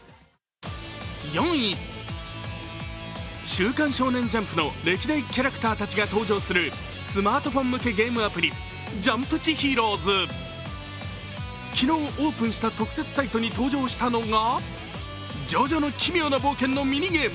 ４位、「週刊少年ジャンプ」の歴代キャラクターが登場するスマートフォン向けゲームアプリ「ジャンプチヒーローズ」。昨日、オープンした特設サイトに登場したのが「ジョジョの奇妙な冒険」のミニゲーム。